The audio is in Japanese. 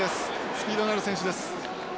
スピードのある選手です。